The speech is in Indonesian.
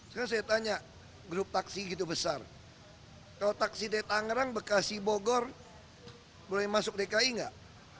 sekarang saya tanya grup taksi gitu besar kalau taksi dari tangerang bekasi bogor boleh masuk dki nggak